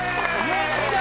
よっしゃ。